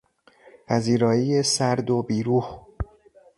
پذیرایی سرد و بیروح